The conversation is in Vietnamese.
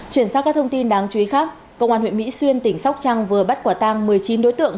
chuyển sang các thông tin đáng chú ý khác công an huyện mỹ xuyên tỉnh sóc trăng vừa bắt quả tang một mươi chín đối tượng